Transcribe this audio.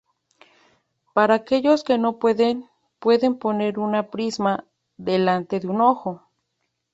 Para aquellos que no pueden, pueden poner un prisma delante de un ojo.